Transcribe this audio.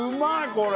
これ。